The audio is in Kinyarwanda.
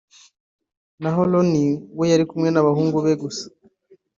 naho Romney we yari kumwe n’abahungu be gusa